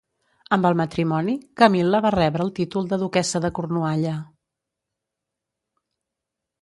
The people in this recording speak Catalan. Amb el matrimoni, Camil·la va rebre el títol de Duquessa de Cornualla.